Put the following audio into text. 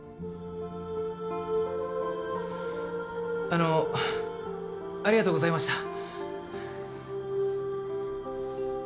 あのありがとうございました。